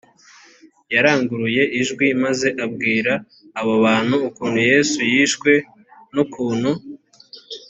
yaranguruye ijwi maze abwira abo bantu ukuntu yesu yishwe n ukuntu